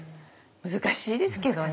難しいですけどね。